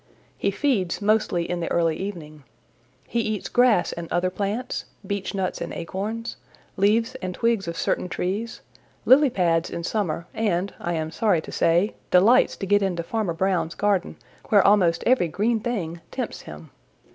He feeds mostly in the early evening. He eats grass and other plants, beechnuts and acorns, leaves and twigs of certain trees, lily pads in summer and, I am sorry to say, delights to get into Farmer Brown's garden, where almost every green thing tempts him.